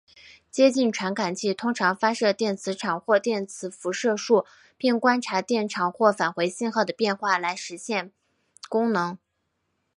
接近传感器通常发射电磁场或电磁辐射束并观察电场或返回信号的变化来实现功能。